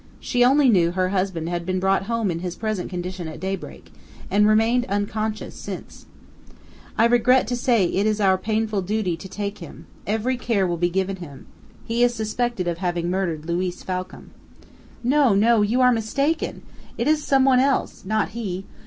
She only knew her husband had been brought home in his present condition at daybreak, and remained unconscious since. "I regret to say it is our painful duty to take him; every care will be given him. He is suspected of having murdered Luiz Falcam." "No, no; you are mistaken! It is some one else, not he.